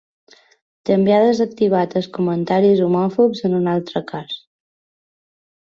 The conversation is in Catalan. També ha desactivat els comentaris homòfobs en un altre cas.